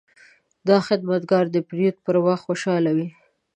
دا خدمتګر د پیرود پر وخت خوشحاله وي.